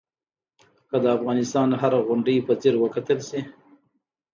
که د افغانستان هره غونډۍ په ځیر وکتل شي.